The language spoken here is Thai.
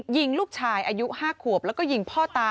ยิงลูกชายอายุ๕ขวบแล้วก็ยิงพ่อตา